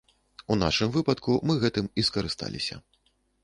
У нашым выпадку мы гэтым і скарысталіся.